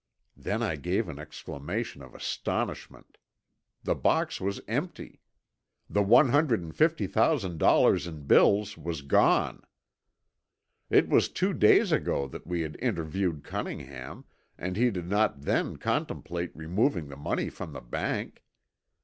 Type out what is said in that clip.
Then I gave an exclamation of astonishment. The box was empty! The one hundred and fifty thousand dollars in bills was gone! It was two days ago that we had interviewed Cunningham and he did not then contemplate removing the money from the bank.